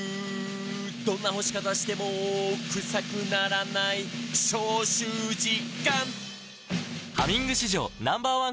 「どんな干し方してもクサくならない」「消臭実感！」